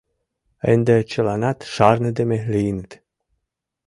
— Ынде чыланат шарныдыме лийыныт...